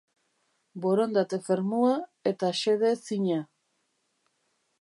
Borondate fermua eta xede zina.